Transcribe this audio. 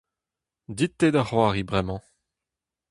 Dit-te da c'hoari bremañ !